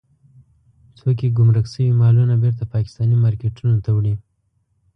څوک يې ګمرک شوي مالونه بېرته پاکستاني مارکېټونو ته وړي.